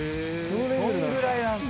そんぐらいなんだ。